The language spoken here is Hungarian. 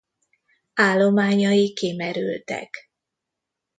Állományai kimerültek.